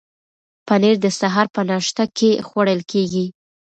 پنیر د سهار په ناشته کې خوړل کیږي.